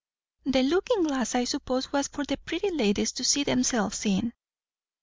"The looking glass, I suppose, was for the pretty ladies to see themselves in!"